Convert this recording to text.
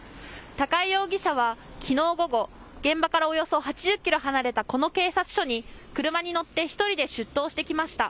高井容疑者はきのう午後、現場からおよそ８０キロ離れたこの警察署に車に乗って１人で出頭してきました。